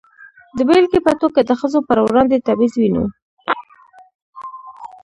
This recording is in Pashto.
د بېلګې په توګه د ښځو پر وړاندې تبعیض وینو.